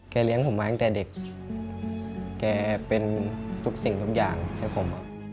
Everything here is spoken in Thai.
เลี้ยงผมมาตั้งแต่เด็กแกเป็นทุกสิ่งทุกอย่างให้ผม